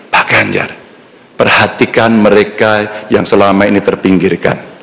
pak ganjar perhatikan mereka yang selama ini terpinggirkan